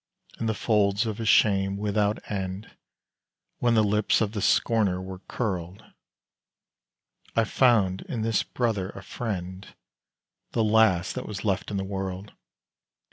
In the folds of a shame without end, When the lips of the scorner were curled, I found in this brother a friend The last that was left in the world.